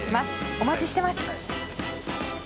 お待ちしてます。